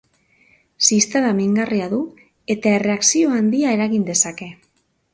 Ziztada mingarria du eta erreakzio handia eragin dezake.